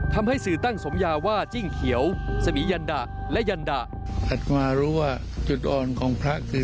ทำให้สื่อตั้งสมยาว่าจิ้งเขียวสมิยันดาและยันดา